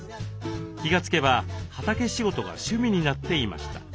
気が付けば畑仕事が趣味になっていました。